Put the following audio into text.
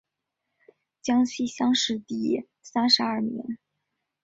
江西乡试第三十二名。